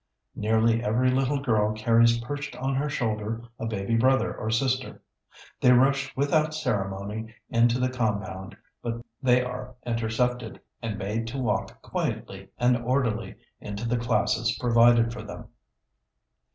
Nearly every little girl carries perched on her shoulder a baby brother or sister. They rush without ceremony into the compound, but there they are intercepted, and made to walk quietly and orderly into the classes provided for them.